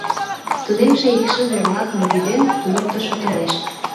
Тунемше икшыве-влакым вӱден, туныктышо толеш.